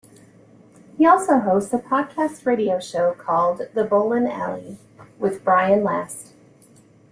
He also hosts a podcast radio show called "The Bolin Alley" with Brian Last.